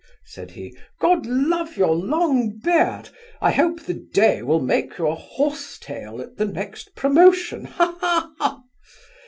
(said he) God love your long beard, I hope the dey will make you a horsetail at the next promotion, ha, ha, ha!